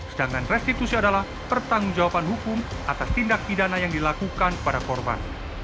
sedangkan restitusi adalah pertanggung jawaban hukum atas tindak pidana yang dilakukan kepada korban